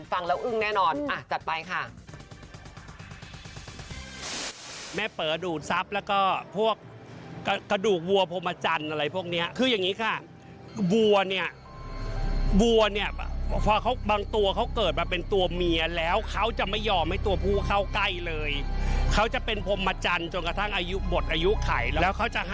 ฟังแล้วอึ้งแน่นอนจัดไปค่ะ